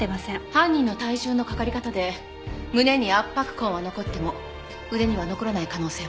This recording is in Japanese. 犯人の体重のかかり方で胸に圧迫痕は残っても腕には残らない可能性はある。